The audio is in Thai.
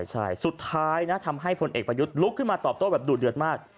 ใช่สุดท้ายนะทำให้พลเอกประยุทธ์ลุกขึ้นมาตอบโต้แบบดูดเดือดมาก